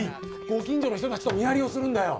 ご近所の人たちと見張りをするんだよ。